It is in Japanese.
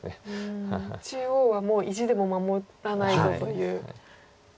中央はもう意地でも守らないぞという。